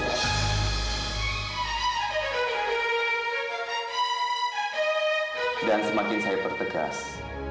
saya juga pernah berpikir